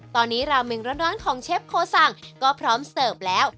ตอนนี้ราเมงร้อนของเชฟโคสังก็พร้อมเสิร์ฟแล้ว